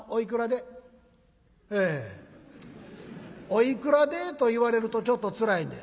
おいくらでと言われるとちょっとつらいんで」。